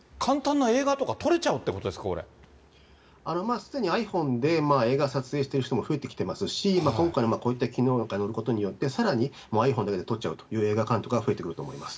すでにｉＰｈｏｎｅで映画撮影してる人も増えてきてますし、今回のこういった機能強化によることで、さらにｉＰｈｏｎｅで撮っちゃうという映画監督は増えてくると思います。